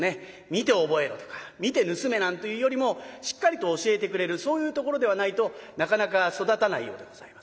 見て覚えろとか見て盗めなんていうよりもしっかりと教えてくれるそういうところではないとなかなか育たないようでございます。